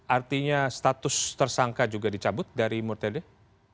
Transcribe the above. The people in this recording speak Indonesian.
artinya status tersangka juga dicabut dari murtedeh